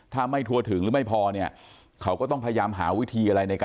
ถ้าไม่ทัวร์ถึงหรือไม่พอน่ะเขาก็ต้องพยายามหาวิธีอะไร